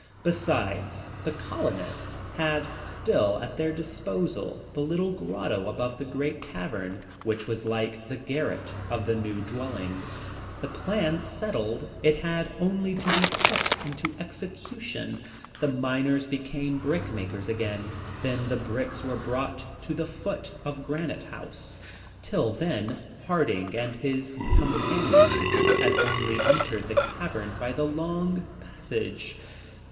Besides, the colonists had still at their disposal the little grotto above the great cavern, which was like the garret of the new dwelling. This plan settled, it had only to be put into execution. The miners became brickmakers again, then the bricks were brought to the foot of Granite House. Till then, Harding and his companions had only entered the cavern by the long passage.